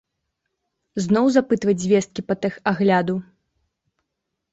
Зноў запытваць звесткі па тэхагляду?